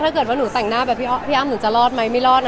ถ้าเกิดว่าหนูแต่งหน้าแบบพี่อ้ำหนูจะรอดไหมไม่รอด